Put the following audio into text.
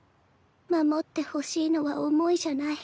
守ってほしいのは思いじゃない。